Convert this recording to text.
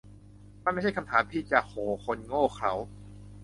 มันไม่ใช่คำถามที่จะ 'โห่' คนโง่เขลา